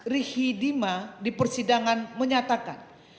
rihidima di persidangan menyatakan